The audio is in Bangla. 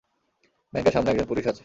ব্যাংকের সামনে একজন পুলিশ আছে।